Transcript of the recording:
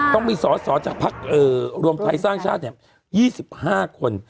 ต้องมีสอดจากรวมไทยสร้างชาติเนี่ย๒๕คน